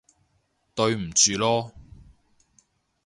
對唔住囉